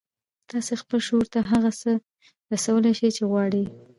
تاسې خپل لاشعور ته هغه څه رسولای شئ چې غواړئ يې.